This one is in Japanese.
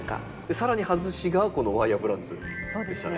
更に外しがこのワイヤープランツでしたね。